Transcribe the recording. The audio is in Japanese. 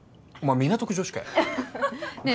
港区女子かよねえ